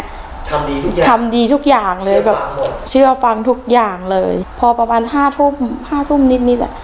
ทำดีทุกอย่างทำดีทุกอย่างเลยแบบเชื่อฟังทุกอย่างเลยพอประมาณห้าทุ่มห้าทุ่มนิดนิดอ่ะ